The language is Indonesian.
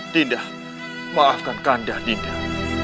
dindah maafkan kandah dindah